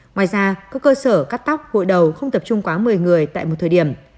ngoài ra các cơ sở cắt tóc gội đầu không tập trung quá một mươi người tại một thời điểm